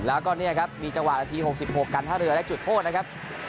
แล้วก็เนี่ยครับมีจังหวะนาที๖๖กันท่าเรือได้จุดโทษนะครับ